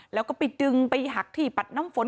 แล้วก็ไปดึงไปหักที่ปัดน้ำฝน